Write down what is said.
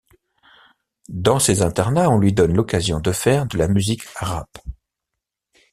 Dans ces internats, on lui donne l'occasion de faire de la musique rap.